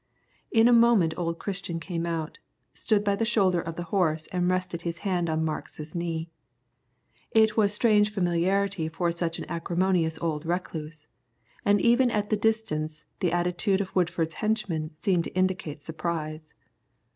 In a moment old Christian came out, stood by the shoulder of the horse and rested his hand on Marks' knee. It was strange familiarity for such an acrimonious old recluse, and even at the distance the attitude of Woodford's henchman seemed to indicate surprise.